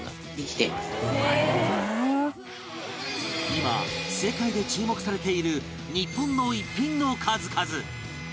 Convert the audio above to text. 今世界で注目されている日本の逸品の数々